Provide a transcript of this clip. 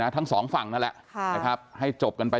ทั้งสองฝั่งนั่นแหละให้จบกันไป